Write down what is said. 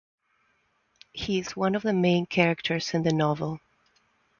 He is one of the main characters in the novel.